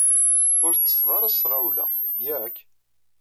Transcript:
Ur ttetteḍ ara s tɣawla, yak?